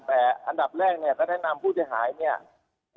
แต่อันดับแรกเนี่ยก็ได้นำผู้เสียหายเนี่ย